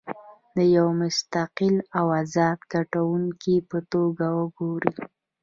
د یوه مستقل او ازاد کتونکي په توګه وګورئ.